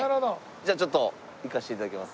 ちょっといかせて頂きます。